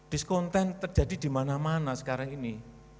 discontent terjadi dimana mana sekarang ini